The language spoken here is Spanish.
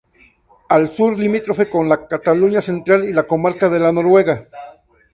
Al sur, limítrofe con la Cataluña central y la comarca de la Noguera.